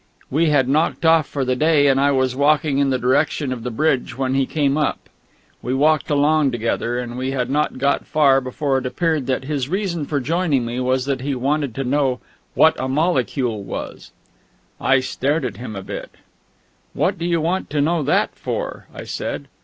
We had knocked off for the day, and I was walking in the direction of the bridge when he came up. We walked along together; and we had not gone far before it appeared that his reason for joining me was that he wanted to know "what a molecule was." I stared at him a bit. "What do you want to know that for?" I said.